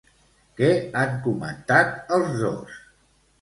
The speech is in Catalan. Què han comentat els dos?